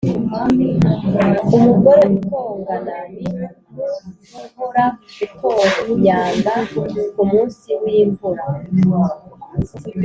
umugore utongana ni nkuguhora gutonyanga kumunsi wimvura